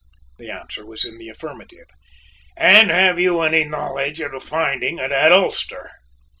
The answer was in the affirmative. "And have you any knowledge of the finding of that ulster?"